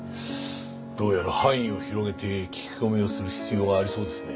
どうやら範囲を広げて聞き込みをする必要がありそうですね。